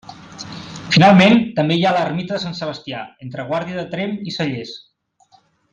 Finalment, també hi ha l'ermita de Sant Sebastià, entre Guàrdia de Tremp i Cellers.